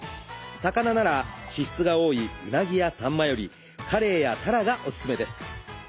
魚なら脂質が多いウナギやサンマよりカレイやタラがおすすめです。